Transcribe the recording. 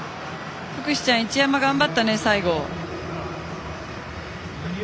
福士ちゃん一山、頑張ったね最後。